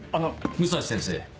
武蔵先生。